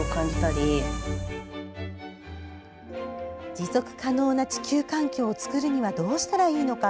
持続可能な地球環境を作るにはどうしたらいいのか